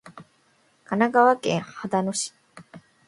神奈川県秦野市